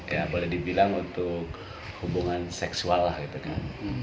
ya boleh dibilang untuk hubungan seksual lah gitu kan